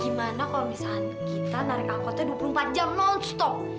gimana kalau misalnya kita narik angkotnya dua puluh empat jam non stop